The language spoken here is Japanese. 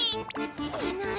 いない！